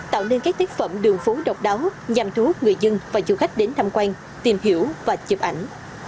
tạo nên các tiết phẩm đường phố độc đáo nhằm thu hút người dân và du khách đến tham quan tìm hiểu và chụp ảnh